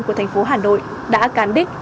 của thành phố hà nội đã cán đích